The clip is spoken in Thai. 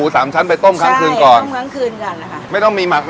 ต้มต้มครั้งคืนน่ะค่ะ